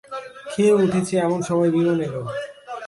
খেয়ে উঠেছি এমন সময় বিমল এল।